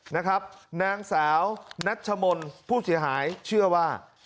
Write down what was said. นางสาวนัชมนต์ผู้เสียหายเชื่อว่า